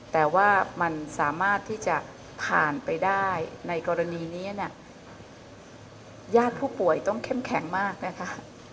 แต่ว่ามันสามารถที่จะผ่านไปได้ในกรณีนี้เนี่ยญาติผู้ป่วยต้องเข้มแข็งมากนะคะ